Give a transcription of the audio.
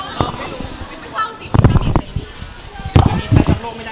สวัสดีทุกคน